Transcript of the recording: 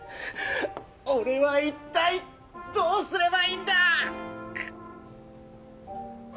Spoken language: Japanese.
俺は一体どうすればいいんだ！？